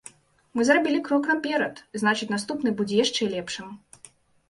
Мы зрабілі крок наперад, значыць наступны будзе яшчэ лепшым.